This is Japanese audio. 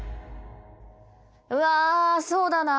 うわそうだな。